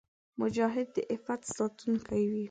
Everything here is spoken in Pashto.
مجاهد د عفت ساتونکی وي.